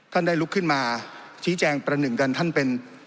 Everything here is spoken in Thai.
ท่านได้ลุกขึ้นมาชี้แจงประหนึ่งกันท่านเป็น